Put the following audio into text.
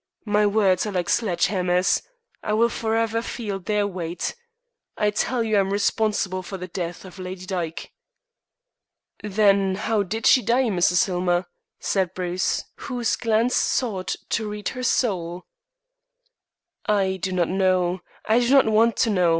My words are like sledge hammers. I will forever feel their weight. I tell you I am responsible for the death of Lady Dyke." "Then how did she die, Mrs. Hillmer?" said Bruce, whose glance sought to read her soul. "I do not know. I do not want to know.